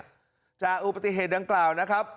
กลุ่มนาอุปฏิเหตุดังกล่าวนะครับ